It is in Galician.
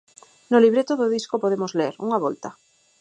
No libreto do disco podemos ler: unha volta.